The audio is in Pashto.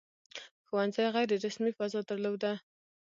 • ښوونځي غیر رسمي فضا درلوده.